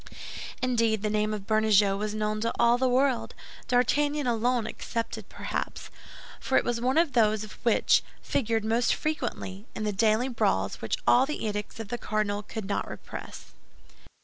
Indeed, the name of Bernajoux was known to all the world, D'Artagnan alone excepted, perhaps; for it was one of those which figured most frequently in the daily brawls which all the edicts of the cardinal could not repress.